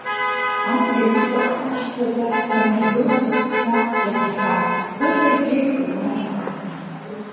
Адгьыл аҵаҟа ашьҭаҵарҭа ргылан ҳәа иаҳахьан, хыхь акгьы убарҭамызт.